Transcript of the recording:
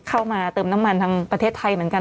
เข้ามาเติมน้ำมันทางประเทศไทยเหมือนกัน